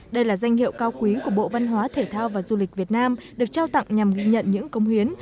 đây là danh hiệu cao quý của bộ văn hóa thể thao và du lịch việt nam được trao tặng nhằm ghi nhận những công hiến